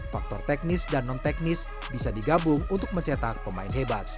faktor teknis dan non teknis bisa digabung untuk mencetak pemain hebat